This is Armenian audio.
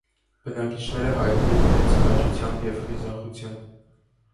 Բնակիչները հայտնի էին իրենց քաջությամբ և խիզախությամբ։